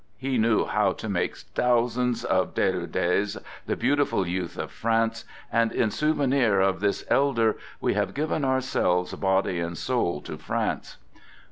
He knew how to make thousands of De rouledes, the beautiful youth of France, and in sou venir of " this elder," we have given ourselves body and soul to France.